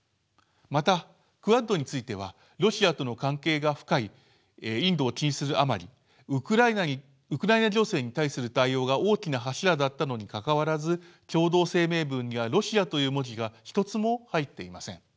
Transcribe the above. またクアッドについてはロシアとの関係が深いインドを気にするあまりウクライナ情勢に対する対応が大きな柱だったのにかかわらず共同声明文にはロシアという文字が一つも入っていません。